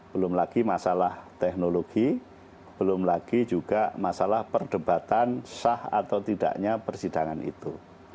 belum lagi masalah teknologi belum lagi juga masalah perdebatan sah atau tidaknya persidangan itu